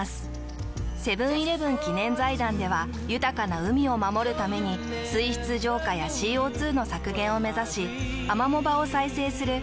セブンーイレブン記念財団では豊かな海を守るために水質浄化や ＣＯ２ の削減を目指しアマモ場を再生する「海の森」